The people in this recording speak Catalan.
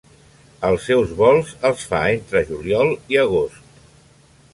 Els seus vols els fa entre juliol i agost.